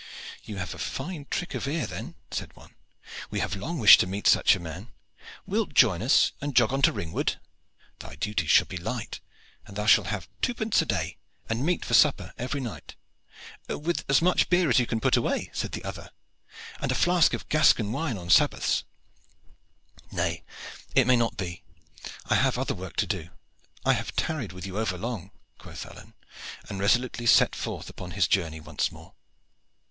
"You have a fine trick of ear then," said one. "We have long wished to meet such a man. Wilt join us and jog on to Ringwood? Thy duties shall be light, and thou shalt have two pence a day and meat for supper every night." "With as much beer as you can put away," said the other, "and a flask of Gascon wine on Sabbaths." "Nay, it may not be. I have other work to do. I have tarried with you over long," quoth Alleyne, and resolutely set forth upon his journey once more.